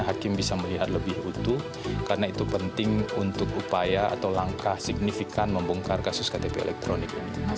hakim bisa melihat lebih utuh karena itu penting untuk upaya atau langkah signifikan membongkar kasus ktp elektronik